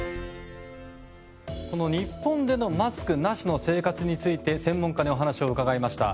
この日本でのマスクなしの生活について専門家にお話を伺いました。